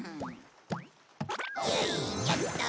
よいしょっと。